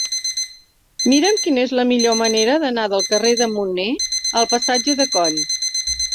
Mira'm quina és la millor manera d'anar del carrer de Munné al passatge de Coll.